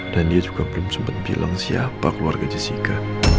dan dia juga belum sempat bilang siapa keluarga jessica